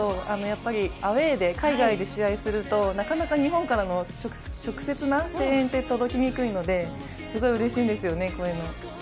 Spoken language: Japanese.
やっぱりアウェーで、海外で試合をすると日本からの直接な声援って届きにくいのですごいうれしいんですよね、こういうの。